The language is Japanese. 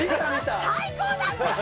最高だったよ！